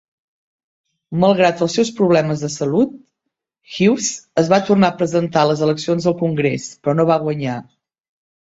Malgrat els seus problemes de salut, Hewes es va tornar a presentar a les eleccions al Congrés, però no va guanyar.